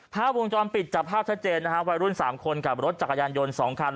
ภาพวงจรปิดจับภาพชัดเจนนะฮะวัยรุ่น๓คนกับรถจักรยานยนต์๒คัน